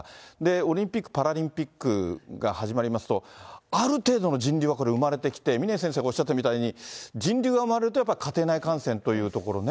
オリンピック・パラリンピックが始まりますと、ある程度の人流は生まれてきて、峰先生がおっしゃったみたいに、人流が生まれると、やっぱり家庭内感染というところね。